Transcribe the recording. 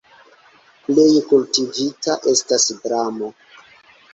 Plej kultivita estas dramo.